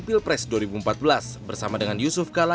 pilpres dua ribu empat belas bersama dengan yusuf kala